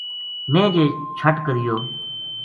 میں جے چھٹ کریو